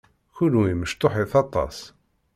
Kenwi mecṭuḥit aṭas.